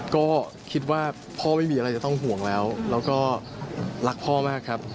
ก็คิดว่าพ่อไม่มีอะไรจะต้องห่วงแล้วแล้วก็รักพ่อมากครับ